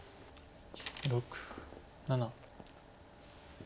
６７。